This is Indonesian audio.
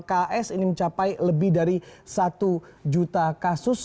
ks ini mencapai lebih dari satu juta kasus